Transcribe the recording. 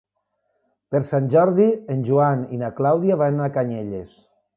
Per Sant Jordi en Joan i na Clàudia van a Canyelles.